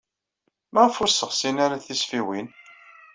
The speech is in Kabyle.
Maɣef ur sseɣsin ara tisfiwin?